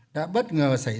đã bất ngờ xảy ra